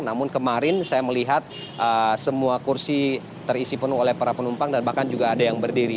namun kemarin saya melihat semua kursi terisi penuh oleh para penumpang dan bahkan juga ada yang berdiri